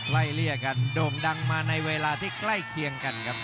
ไล่เลี่ยกันโด่งดังมาในเวลาที่ใกล้เคียงกันครับ